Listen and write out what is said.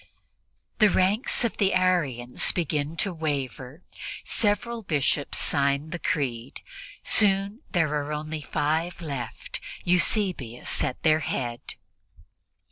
The ranks of the Arians begin to waver; several Bishops sign the Creed; soon there are only five left Eusebius at their head.